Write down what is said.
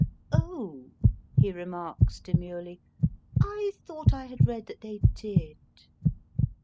* Oh/ he remarks de murely, I thought I had read that they did.